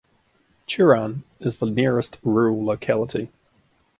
Turan is the nearest rural locality.